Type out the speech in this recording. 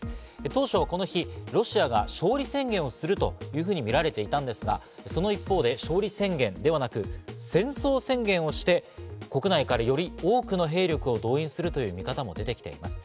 当初、この日、ロシアが勝利宣言をするというふうに見られていたんですが、その一方で勝利宣言ではなく、戦争宣言をして、国内からより多くの兵力を動員するという見方も出てきています。